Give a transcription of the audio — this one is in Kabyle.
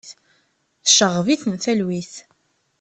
Tceɣɣeb-iten talwit.